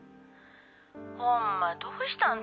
「ほんまどうしたん？